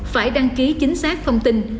phải đăng ký chính xác thông tin